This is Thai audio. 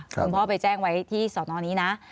คุณพ่อไปแจ้งไว้ที่สอนอนี้นะ